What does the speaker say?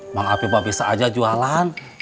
maaf ya pak bisa aja jualan